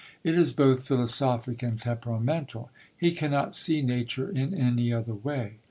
It is both philosophic and temperamental. He cannot see nature in any other way.